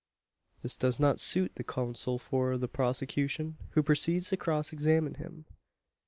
This does not suit the counsel for the prosecution, who proceeds to cross examine him.